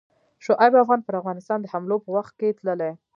شعیب افغان پر افغانستان د حملو په وخت کې تللی.